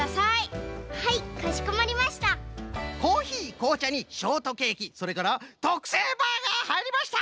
こうちゃにショートケーキそれからとくせいバーガーはいりました！